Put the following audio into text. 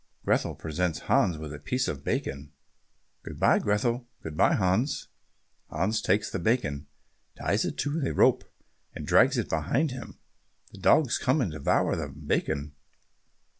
Grethel presents Hans with a piece of bacon. "Good bye, Grethel." "Good bye, Hans." Hans takes the bacon, ties it to a rope, and drags it away behind him. The dogs come and devour the bacon.